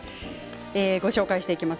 ご紹介していきます